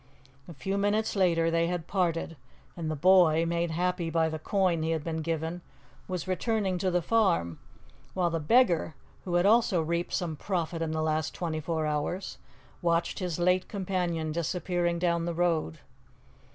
A few minutes later they had parted, and the boy, made happy by the coin he had been given, was returning to the farm, while the beggar, who had also reaped some profit in the last twenty four hours, watched his late companion disappearing down the road.